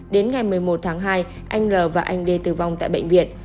đến ngày một mươi một tháng hai anh l và anh d tử vong tại bệnh viện